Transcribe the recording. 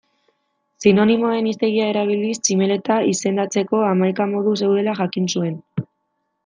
Sinonimoen hiztegia erabiliz tximeleta izendatzeko hamaika modu zeudela jakin zuen.